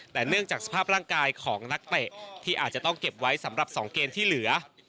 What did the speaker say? แต่เนื่องจากสภาพร่างกายของนักเตะที่อาจจะต้องเก็บไว้สำหรับ๒เกมที่เหลือ